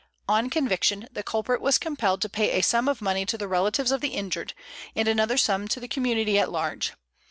On conviction, the culprit was compelled to pay a sum of money to the relatives of the injured, and another sum to the community at large.